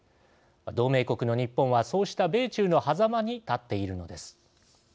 同盟国の日本はそうした米中のはざまに立っているのです。